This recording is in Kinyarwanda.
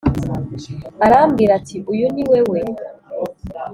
Arambwira ati uyu ni we we